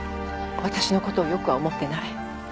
私の事をよくは思ってない。